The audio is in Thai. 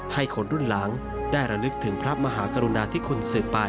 ให้คนรุ่นหลังได้ระลึกถึงพระมหากรุณาที่คุณสืบไป